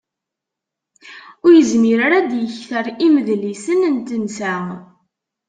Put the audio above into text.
Ur yezmir ara ad d-yekter imedlisen n tensa.